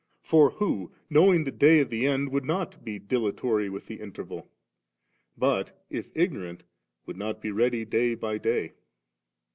For who, knowing the da^ of the end, would not be dilatory with the interval ? but, if ignorant, would not be ready day by day